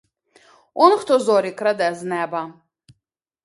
Он хто зорі краде з неба!